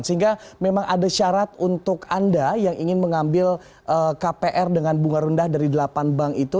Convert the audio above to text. sehingga memang ada syarat untuk anda yang ingin mengambil kpr dengan bunga rendah dari delapan bank itu